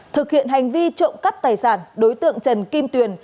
thực hiện hành vi trộm cắp tài sản đối tượng trần kim tuyền